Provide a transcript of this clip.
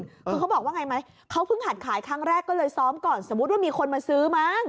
คือเขาบอกว่าไงไหมเขาเพิ่งหัดขายครั้งแรกก็เลยซ้อมก่อนสมมุติว่ามีคนมาซื้อมั้ง